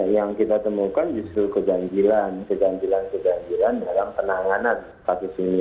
yang kita temukan justru kejangjilan dalam penanganan kasus ini